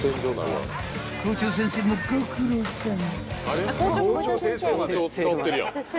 ［校長先生もご苦労さん］